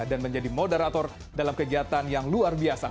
dan menjadi moderator dalam kegiatan yang luar biasa